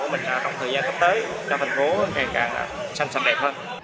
của mình trong thời gian gấp tới cho thành phố ngày càng săn sạch đẹp hơn